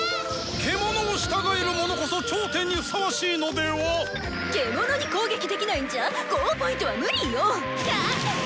獣を従える者こそ頂点にふさわしいのでは⁉獣に攻撃できないんじゃ高Ｐはムリよ！